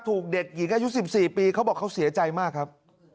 ถูกเด็กอีกก็๒๔ปีเขาบอกเขาเสียใจมากครับ